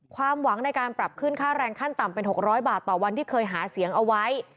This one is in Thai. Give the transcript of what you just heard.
ความหวังในการปรับขึ้นค่าแรงขั้นต่ำเป็น๖๐๐บาทต่อวันที่เคยหาเสียงเอาไว้